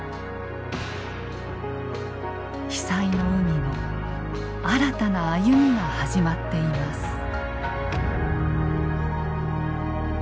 被災の海の新たな歩みが始まっています。